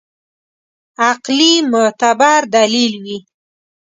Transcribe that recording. عقلي معتبر دلیل وي.